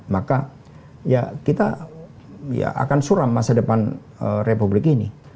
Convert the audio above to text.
maka ya kita ya akan suram masa depan republik ini